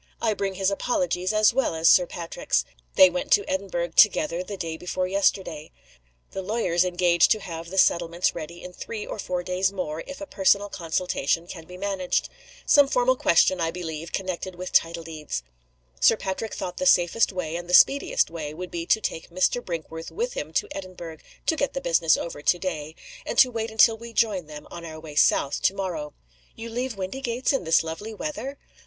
"I bring his apologies, as well as Sir Patrick's. They went to Edinburgh together the day before yesterday. The lawyers engage to have the settlements ready in three or four days more, if a personal consultation can be managed. Some formal question, I believe, connected with title deeds. Sir Patrick thought the safest way and the speediest way would be to take Mr. Brinkworth with him to Edinburgh to get the business over to day and to wait until we join them, on our way south, to morrow." "You leave Windygates, in this lovely weather?"